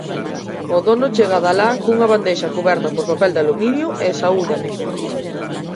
O dono chega de alá cunha bandexa cuberta por papel de aluminio e saúdame.